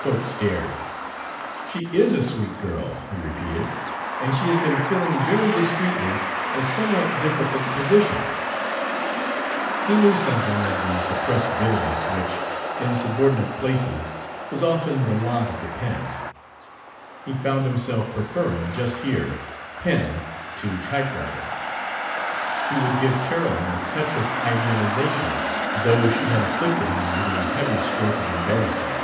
Cope stared. "She is a sweet girl," he repeated; "and she has been filling very discreetly a somewhat difficult position " He knew something of the suppressed bitterness which, in subordinate places, was often the lot of the pen. He found himself preferring, just here, "pen" to "typewriter": he would give Carolyn a touch of idealization though she had afflicted him with a heavy stroke of embarrassment.